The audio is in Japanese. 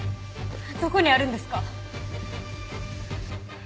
どこにあるんですか？